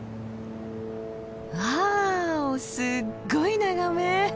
わあすっごい眺め。